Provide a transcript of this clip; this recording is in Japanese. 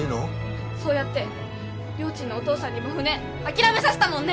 そうやってりょーちんのお父さんにも船諦めさせたもんね！